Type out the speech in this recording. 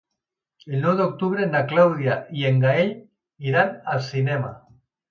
El nou d'octubre na Clàudia i en Gaël iran al cinema.